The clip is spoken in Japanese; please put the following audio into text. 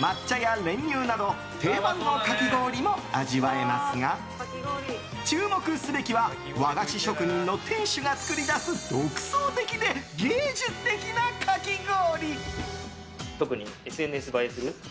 抹茶や練乳など定番のかき氷も味わえますが注目すべきは和菓子職人の店主が作り出す独創的で芸術的なかき氷。